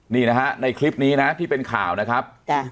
นี่นะฮะในคลิปนี้นะที่เป็นข่าวนะครับ